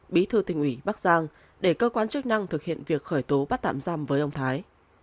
bí thư tỉnh ủy bắc giang để cơ quan chức năng thực hiện việc khởi tố bắt tạm giam với ông thái